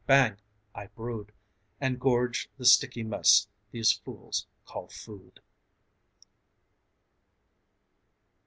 bang! I brood And gorge the sticky mess these fools call food!